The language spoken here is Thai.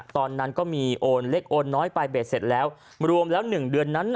ตอนนั้นก็มีโอนเล็กโอนน้อยไปเบสเสร็จแล้วรวมแล้ว๑เดือนนั้น